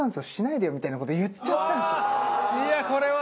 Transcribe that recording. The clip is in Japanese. いやこれは。